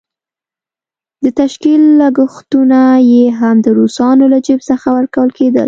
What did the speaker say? د تشکيل لګښتونه یې هم د روسانو له جېب څخه ورکول کېدل.